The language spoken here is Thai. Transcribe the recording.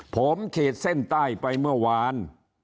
ผมขีดเส้นใต้ไปเมื่อวาน